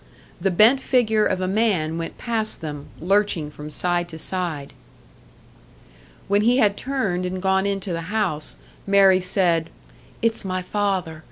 The bent figure of a man went past them, lurching from side to side. When he had turned and gone into the house, Mary said, "It's my father.